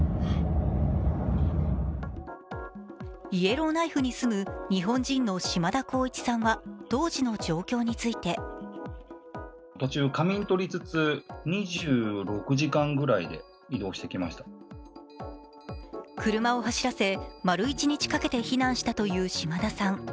イエローナイフに住む日本人の嶋田幸一さんは当時の状況について車を走らせ、丸一日かけて避難したという嶋田さん。